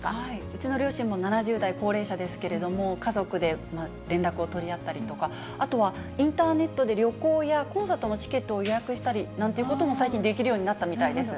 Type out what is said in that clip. うちの両親も７０代、高齢者ですけれども、家族で連絡を取り合ったりとか、あとはインターネットで、旅行やコンサートのチケットを予約したりなんていうことも、最近できるようになったみたいです。